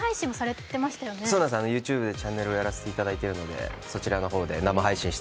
ＹｏｕＴｕｂｅでチャンネルもやらせているので。